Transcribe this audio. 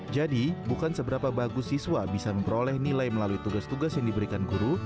jadi bukan seberapa bagus siswa bisa memperoleh nilai melalui tugas tugas yang diberikan guru